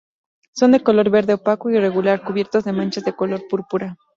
Son de color verde opaco e irregular cubiertos de manchas de color púrpura.